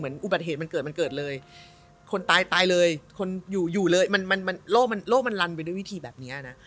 เหมือนอุบัติเหตุมันเกิดเลย